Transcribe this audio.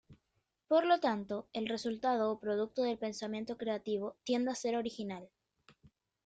Por lo tanto, el resultado o producto del pensamiento creativo tiende a ser original.